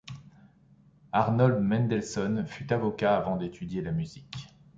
Arnold Mendelssohn fut avocat avant d’étudier la musique.